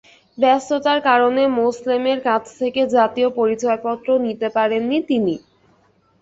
ব্যস্ততার কারণে মোসলেমের কাছ থেকে জাতীয় পরিচয়পত্র নিতে পারেননি তিনি।